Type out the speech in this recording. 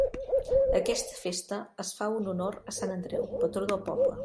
Aquesta festa es fa un honor a Sant Andreu, patró del poble.